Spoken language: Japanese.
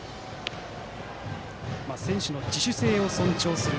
選手の自主性を尊重する。